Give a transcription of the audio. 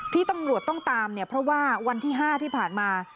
ที่ตำรวจต้องตามเนี่ยเพราะว่าวันที่๕ที่ผ่านมา